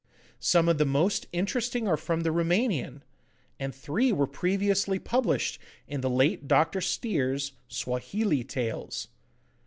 Some of the most interesting are from the Roumanion, and three were previously published in the late Dr. Steere's 'Swahili Tales.